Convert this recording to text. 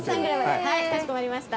はいかしこまりました。